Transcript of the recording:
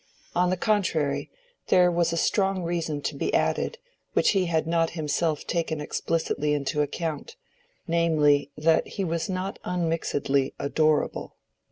On the contrary, there was a strong reason to be added, which he had not himself taken explicitly into account—namely, that he was not unmixedly adorable.